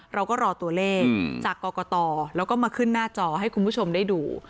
เราก็รอตัวเลขจากกรกตแล้วก็มาขึ้นหน้าจอให้คุณผู้ชมได้ดู